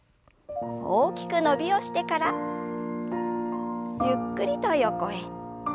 大きく伸びをしてからゆっくりと横へ。